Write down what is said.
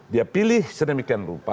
dia pilih sedemikian rupa